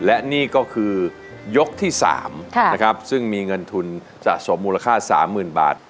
และนี่ก็คือยกที่๓นะครับซึ่งมีเงินทุนสะสมมูลค่า๓๐๐๐บาท